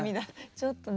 ちょっと涙。